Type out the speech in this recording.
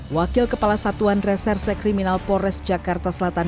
wakil kepala satuan reserse kriminal polres jakarta selatan